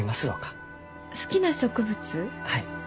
はい。